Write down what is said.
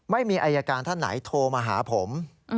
ไม่มีอายการท่านไหนโทรมาหาผม